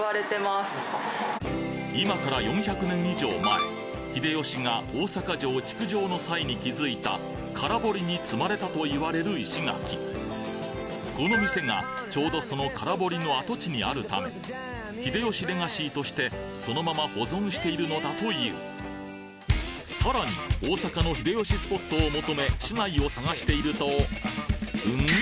今から４００年以上前秀吉が大阪城築城の際に築いた空堀に積まれたといわれる石垣この店がちょうどその空堀の跡地にあるため秀吉レガシーとしてそのまま保存しているのだというさらに大阪の秀吉スポットを求め市内を探しているとん？